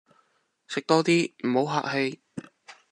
食多啲，唔好客氣